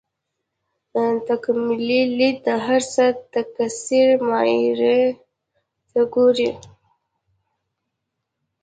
تکاملي لید د هر څه د تکثیر معیار ته ګوري.